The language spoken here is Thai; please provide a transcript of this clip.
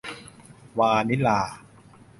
วานิลลา